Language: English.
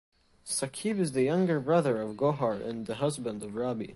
Saqib is the younger brother of Gohar and the husband of Rabi.